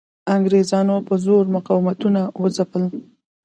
انګریزانو په زور مقاومتونه وځپل.